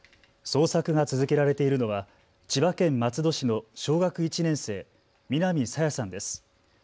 捜索が続けられているのは千葉県松戸市の小学１年生、南朝芽さんです。